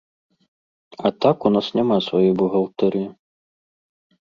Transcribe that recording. А так у нас няма сваёй бухгалтэрыі.